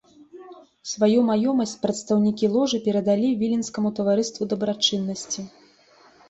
Сваю маёмасць прадстаўнікі ложы перадалі віленскаму таварыству дабрачыннасці.